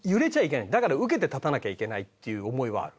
だから受けて立たなきゃいけないっていう思いはある。